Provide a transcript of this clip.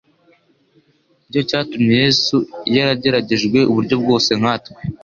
Nicyo cyatumye Yesu "Yarageragejwe uburyo bwose nka twe."